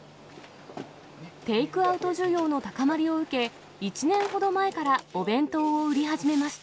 テイクアウト需要の高まりを受け、１年ほど前からお弁当を売り始めました。